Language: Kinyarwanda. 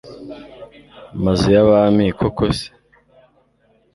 mazu y abami Koko se